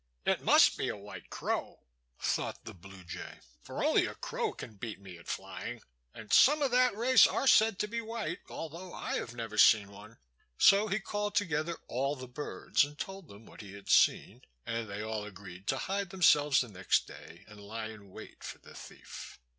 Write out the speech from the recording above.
"It must be a white crow," thought the Blue Jay; "for only a crow can beat me at flying, and some of that race are said to be white, although I have never seen one." So he called together all the birds, and told them what he had seen, and they all agreed to hide themselves the next day and lie in wait for the thief.